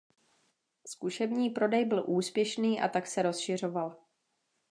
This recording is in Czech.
Zkušební prodej byl úspěšný a tak se rozšiřoval.